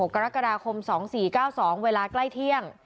กรกฎาคม๒๔๙๒เวลาใกล้เที่ยง